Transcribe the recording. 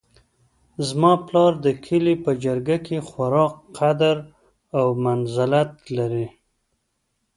زما پلار د کلي په جرګه کې خورا قدر او منزلت لري